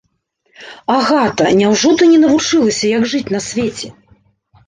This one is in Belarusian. Агата, няўжо ты не навучылася, як жыць на свеце?